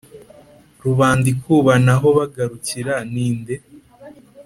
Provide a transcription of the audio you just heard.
Rubanda ikubanaho bagarukira, ni nde ?"